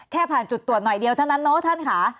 แค่ผ่านจุดตรวจหน่อยเดียวเท่านั้นเนอะท่านค่ะ